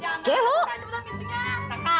jangan lu cepetan cepetan pintunya